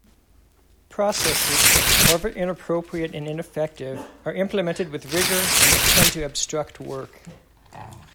Processes, however inappropriate and ineffective, are implemented with rigor and tend to obstruct work.